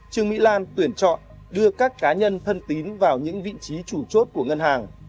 trương mỹ lan tuyển chọn đưa các cá nhân thân tín vào những vị trí chủ chốt của ngân hàng